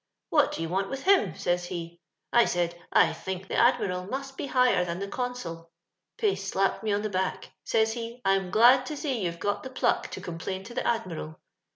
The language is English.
' What do yon want with himf'sayshe. I said, ' I Udnk the Admiral must be higher than the ocmsol.' Pace slqiped me on the back. Soys he, *I'm glad to see you're got the plnek to oomplam to the Admiral.'